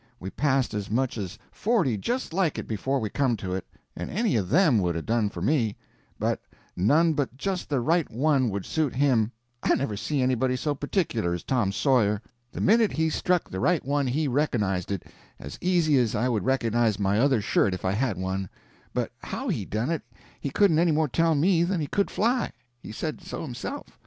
We passed as much as forty just like it before we come to it, and any of them would 'a' done for me, but none but just the right one would suit him; I never see anybody so particular as Tom Sawyer. The minute he struck the right one he reconnized it as easy as I would reconnize my other shirt if I had one, but how he done it he couldn't any more tell than he could fly; he said so himself.